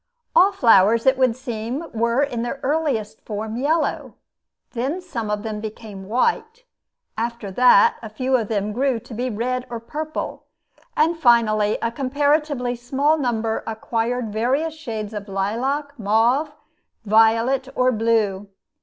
All flowers, it would seem, were in their earliest form yellow; then some of them became white; after that, a few of them grew to be red or purple; and finally, a comparatively small number acquired various shades of lilac, mauve, violet, or blue.